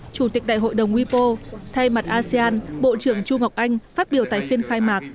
chủ tịch đại hội đồng wipo thay mặt asean bộ trưởng chu ngọc anh phát biểu tại phiên khai mạc